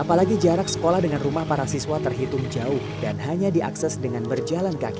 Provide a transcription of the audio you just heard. apalagi jarak sekolah dengan rumah para siswa terhitung jauh dan hanya diakses dengan berjalan kaki